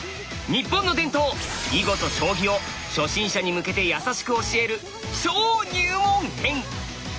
日本の伝統囲碁と将棋を初心者に向けてやさしく教える超入門編！